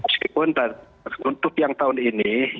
meskipun untuk yang tahun ini